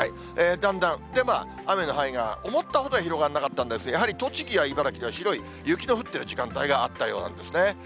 だんだん、雨の範囲が思ったほど広がらなかったんですが、やはり栃木や茨城では、白い雪の降っている時間帯があったようなんですね。